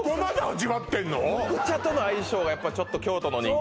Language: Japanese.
緑茶との相性がやっぱちょっと京都の人間